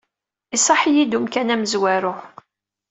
Iṣaḥ-iyi-d umkan amezwaru.